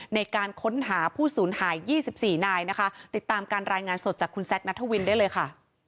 ในการค้นหาผู้สูญหาย๒๔นายนะคะติดตามการรายงานสดจากคุณแซคนัทวินได้เลยค่ะ